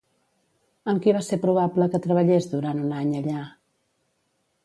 Amb qui va ser probable que treballés durant un any allà?